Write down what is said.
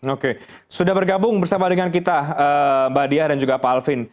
oke sudah bergabung bersama dengan kita mbak diah dan juga pak alvin